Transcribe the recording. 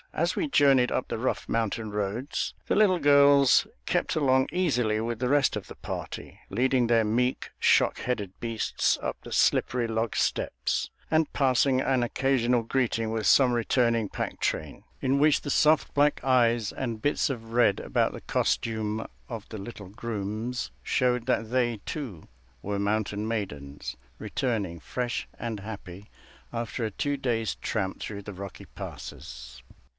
As we journeyed up the rough mountain roads, the little girls kept along easily with the rest of the party; leading their meek, shock headed beasts up the slippery log steps, and passing an occasional greeting with some returning pack train, in which the soft black eyes and bits of red about the costume of the little grooms showed that they, too, were mountain maidens, returning fresh and happy after a two days' tramp through the rocky passes.